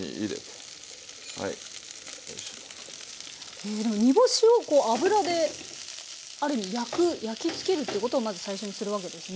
へえでも煮干しを油である意味焼く焼きつけるということをまず最初にするわけですね。